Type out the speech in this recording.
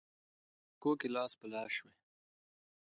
ه ټولنیزو شبکو کې لاس په لاس شوې